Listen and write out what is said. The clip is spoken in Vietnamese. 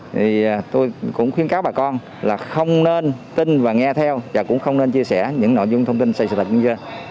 thì tôi cũng khuyến cáo bà con là không nên tin và nghe theo và cũng không nên chia sẻ những nội dung thông tin xây dựng